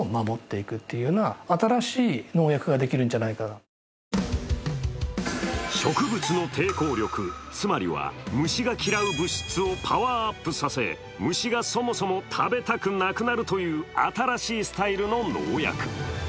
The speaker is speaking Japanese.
そこで先生は植物の抵抗力、つまりは虫が嫌う物質をパワーアップさせ、虫がそもそも食べたくなくなるという新しいスタイルの農薬。